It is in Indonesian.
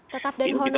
tetap dari honor ya